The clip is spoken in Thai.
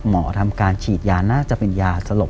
หมอทำการฉีดยาน่าจะเป็นยาสลบ